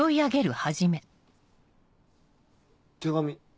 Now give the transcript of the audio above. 手紙。